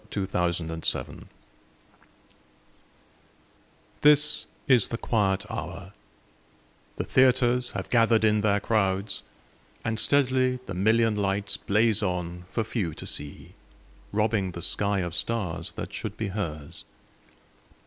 Sara Teasdale Broadway THIS is the quiet hour; the theaters Have gathered in their crowds, and steadily The million lights blaze on for few to see, Robbing the sky of stars that should be hers.